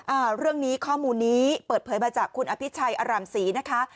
อ่าเรื่องนี้ข้อมูลนี้เปิดเผยมาจากคุณอภิชัยอร่ำศรีนะคะ